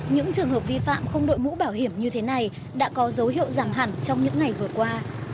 những trường hợp vi phạm không đội mũ bảo hiểm như thế này đã có dấu hiệu giảm hẳn trong những ngày vừa qua